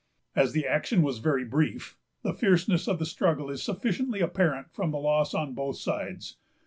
As the action was very brief, the fierceness of the struggle is sufficiently apparent from the loss on both sides.